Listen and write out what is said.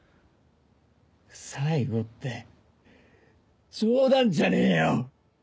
最後って冗談じゃねえよ！